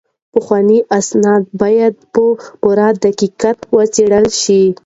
پخواني اسناد باید په پوره دقت وڅیړل شي.